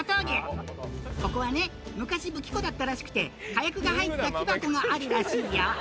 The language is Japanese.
ここはね、昔、武器庫だったらしくて、火薬が入った木箱があるらしいよ。